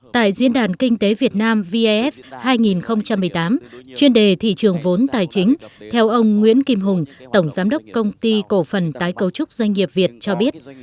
tại diễn đàn kinh tế việt nam vaf hai nghìn một mươi tám chuyên đề thị trường vốn tài chính theo ông nguyễn kim hùng tổng giám đốc công ty cổ phần tái cấu trúc doanh nghiệp việt cho biết